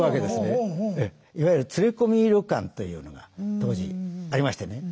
いわゆる連れ込み旅館というのが当時ありましてね。